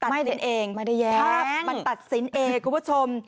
ไม่ได้เองไม่ได้แย้งถ้ามันตัดสินเองคุณผู้ชม